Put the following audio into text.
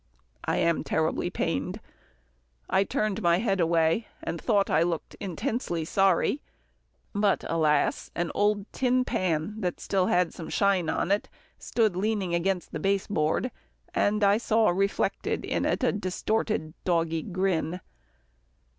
I am terribly pained." I turned my head away, and thought I looked intensely sorry, but alas! an old tin pan that still had some shine on it stood leaning against the baseboard, and I saw reflected in it a distorted dog grin.